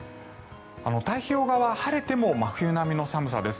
太平洋側は晴れても真冬並みの寒さです。